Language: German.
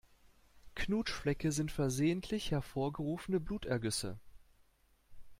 Knutschflecke sind versehentlich hervorgerufene Blutergüsse.